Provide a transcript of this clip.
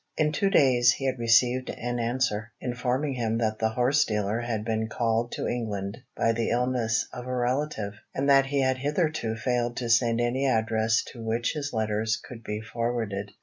In two days he had received an answer, informing him that the horse dealer had been called to England by the illness of a relative, and that he had hitherto failed to send any address to which his letters could be forwarded.